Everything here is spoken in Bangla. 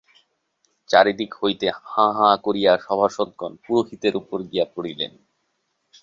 চারি দিক হইতে হাঁ-হাঁ করিয়া সভাসদগণ পুরোহিতের উপর গিয়া পড়িলেন।